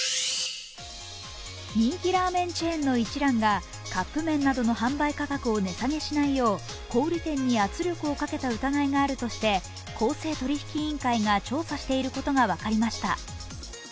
人気ラーメンチェーンの一蘭がカップ麺などの販売価格を値下げしないよう小売店に圧力をかけた疑いがあるとして公正取引委員会が調査していることが分かりました。